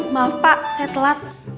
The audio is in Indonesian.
maaf pak saya telat